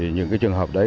những trường hợp đấy